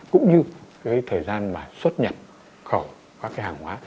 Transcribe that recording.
cũng như cái thời gian mà xuất nhập khẩu các cái hàng hóa